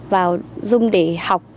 vào rung để học